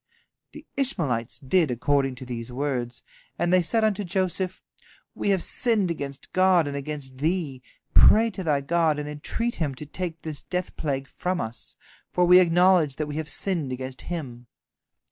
The Ishmaelites did according to these words, and they said unto Joseph: "We have sinned against God and against thee. Pray to thy God, and entreat Him to take this death plague from us, for we acknowledge that we have sinned against Him."